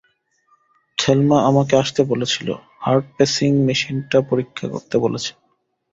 Thelma আমাকে আসতে বলেছিল, হার্ট পেসিং মেশিনটি পরীক্ষা করতে বলেছে।